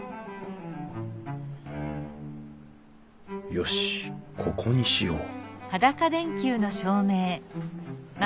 よしここにしよう